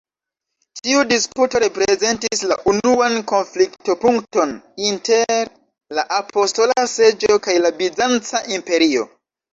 Tiu disputo reprezentis la unuan konflikto-punkton inter la Apostola Seĝo kaj la bizanca imperio.